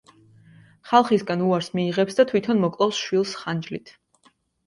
ხალხისგან უარს მიიღებს და თვითონ მოკლავს შვილს ხანჯლით.